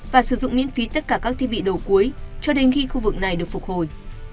và sử dụng miễn phí tất cả các thiết bị đầu cuối cho đến khi khu vực này được phục hồi